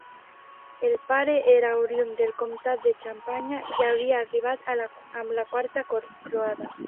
El pare era oriünd del comtat de Xampanya i havia arribat amb la quarta croada.